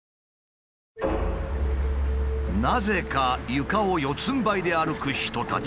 なぜか床を四つんばいで歩く人たち。